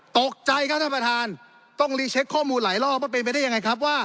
ตกใจครับท่านผู้ชมต้องลิเช็คข้อมูลหลายรอบว่าเป็นไงครับ